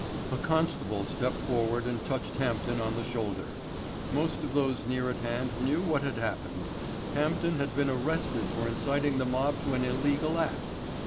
A constable stepped forward and touched Hampden on the shoulder. Most of those near at hand knew what had happened. Hampden had been arrested for inciting the mob to an illegal act.